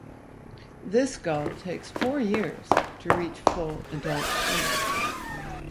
This gull takes four years to reach full adult plumage.